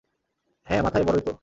হাঁ মাথায় বড়োই তো।